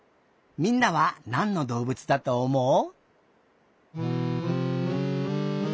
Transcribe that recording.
みんなはなんのどうぶつだとおもう？